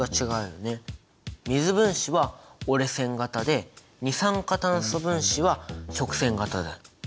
水分子は折れ線形で二酸化炭素分子は直線形だ。